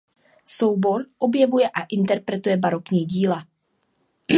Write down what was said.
Soubor objevuje a interpretuje barokní díla.